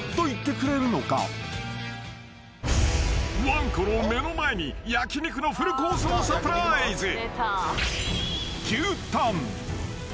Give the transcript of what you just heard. ［わんこの目の前に焼き肉のフルコースをサプライズ］